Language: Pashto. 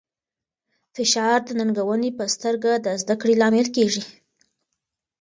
فشار د ننګونې په سترګه د زده کړې لامل ګرځي.